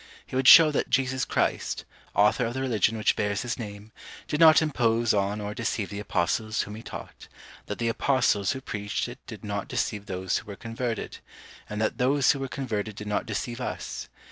He would show that Jesus Christ, author of the religion which bears his name, did not impose on or deceive the Apostles whom he taught; that the Apostles who preached it did not deceive those who were converted; and that those who were converted did not deceive us.